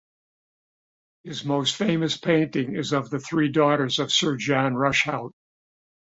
His most famous painting is of the three daughters of Sir John Rushout.